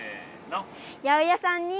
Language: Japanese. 八百屋さんに。